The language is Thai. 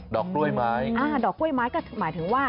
อกกล้วยไม้อ่าดอกกล้วยไม้ก็หมายถึงว่า